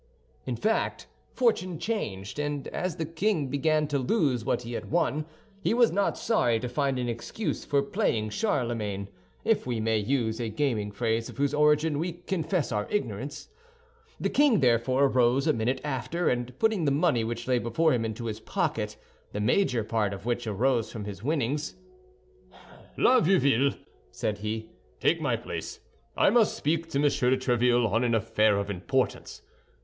In fact, fortune changed; and as the king began to lose what he had won, he was not sorry to find an excuse for playing Charlemagne—if we may use a gaming phrase of whose origin we confess our ignorance. The king therefore arose a minute after, and putting the money which lay before him into his pocket, the major part of which arose from his winnings, "La Vieuville," said he, "take my place; I must speak to Monsieur de Tréville on an affair of importance.